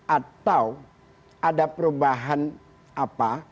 atau ada perubahan apa